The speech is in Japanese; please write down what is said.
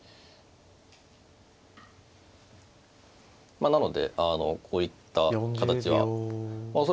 まあなのでこういった形は恐らくそうですね